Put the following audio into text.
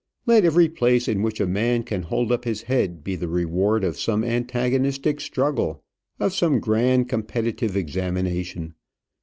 Let every place in which a man can hold up his head be the reward of some antagonistic struggle, of some grand competitive examination.